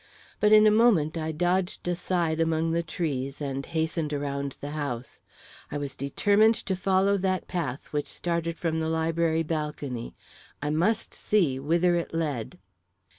But in a moment, I dodged aside among the trees and hastened around the house. I was determined to follow that path which started from the library balcony I must see whither it led.